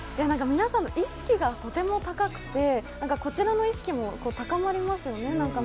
皆さんの意識がとても高くて、こちらの意識も高まりますね。